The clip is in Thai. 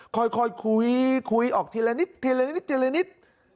ค่อยคุยคุยออกทีละนิดทีละนิดทีละนิด